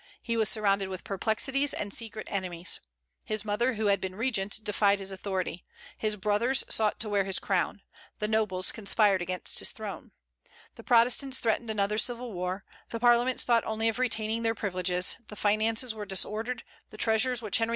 He was surrounded with perplexities and secret enemies. His mother, who had been regent, defied his authority; his brothers sought to wear his crown; the nobles conspired against his throne; the Protestants threatened another civil war; the parliaments thought only of retaining their privileges; the finances were disordered; the treasures which Henry IV.